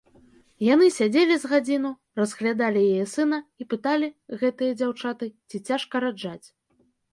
Яны сядзелі з гадзіну, разглядалі яе сына і пыталі, гэтыя дзяўчаты, ці цяжка раджаць.